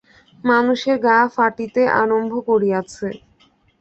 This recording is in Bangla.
মানুষের গা ফাটিতে আরম্ভ করিয়াছে।